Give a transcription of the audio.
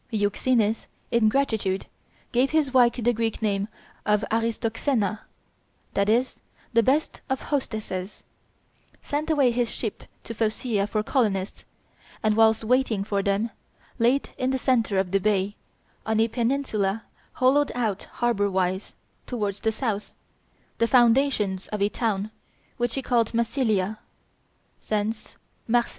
Euxenes, in gratitude, gave his wife the Greek name of Aristoxena (that is, "the best of hostesses"), sent away his ship to Phocea for colonists, and, whilst waiting for them, laid in the centre of the bay, on a peninsula hollowed out harbor wise, towards the south, the foundations of a town, which he called Massilia thence Marseilles.